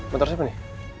motor siapa nih